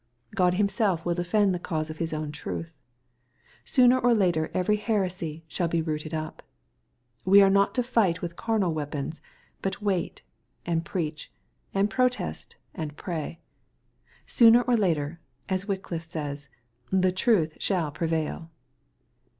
God Himself will defend the cause of His own truth. Sooner or later every heresy "shall be rooted up." We are not to fight with carnal weapons, but wait, and preach, and protest, and pray. Sooner or later, as Wycliffe said, " the truth shall prevail."